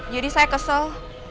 jadi saya kesel